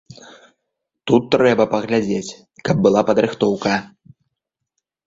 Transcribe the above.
Тут трэба паглядзець, каб была падрыхтоўка.